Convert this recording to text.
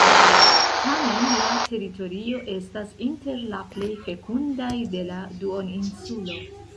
Tamen la teritorio estas inter la plej fekundaj de la duoninsulo.